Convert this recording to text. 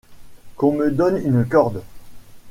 Qu'on me donne une corde.